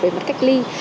về mặt cách ly